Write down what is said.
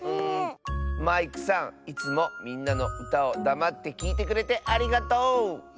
マイクさんいつもみんなのうたをだまってきいてくれてありがとう！